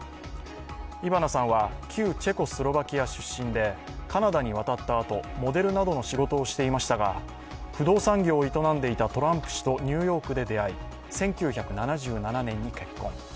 イヴァナさんは旧チェコスロバキア出身でカナダに渡ったあと、モデルなどの仕事をしていましたが不動産業を営んでいたトランプ氏とニューヨークで出会い１９７７年に結婚。